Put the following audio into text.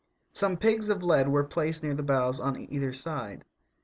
Some pigs of lead were placed near the bows on either side.